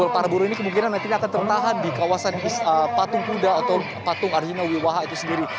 para buruh ini kemungkinan nantinya akan tertahan di kawasan patung kuda atau patung arjuna wiwaha itu sendiri